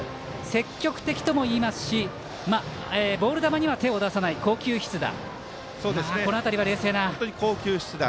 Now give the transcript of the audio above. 積極的ともいいますしボール球には手を出さない好球必打。